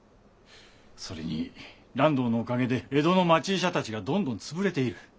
それに爛堂のおかげで江戸の町医者たちがどんどん潰れている。